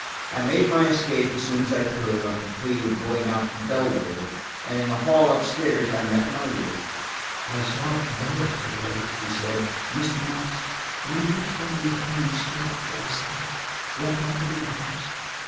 I made my escape as soon as I could, on the plea of going out to Bellwood, and in the hall up stairs I met Margery. "I saw Bella to day," she said. "Mr. Knox, will you tell me why you stayed up last night? What happened in the house?"